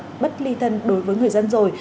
đó là một vật lý thân đối với người dân rồi